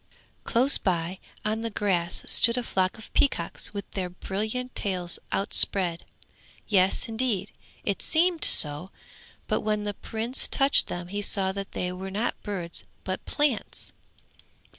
Close by on the grass stood a flock of peacocks with their brilliant tails outspread. Yes, indeed, it seemed so, but when the Prince touched them he saw that they were not birds but plants.